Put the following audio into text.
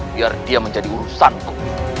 biar dia menjadi urusanku